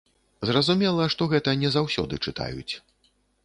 Зразумела, што гэта не заўсёды чытаюць.